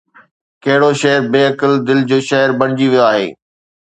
ڪھڙو شھر بي عقل دل جو شھر بڻجي ويو آھي؟